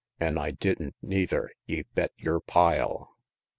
An' I didn't, neither, ye bet yer pile!